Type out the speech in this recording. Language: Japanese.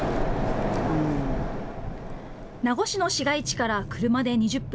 名護市の市街地から車で２０分。